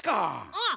うん。